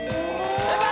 正解！